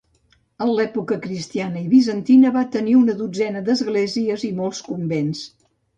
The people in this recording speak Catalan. En època cristiana i bizantina va tenir una dotzena d'esglésies i molts convents.